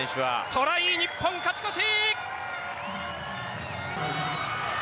トライ、日本勝ち越し！